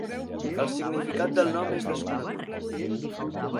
El significat del nom és desconegut.